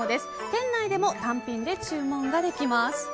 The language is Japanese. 店内でも単品で注文ができます。